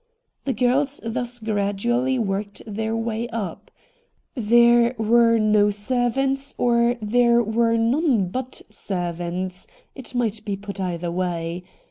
The girls thus gradually worked their way up. There were no servants, or there were none but servants — it might be put either way.